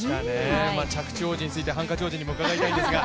着地王子についてハンカチ王子にも伺いたいんですが。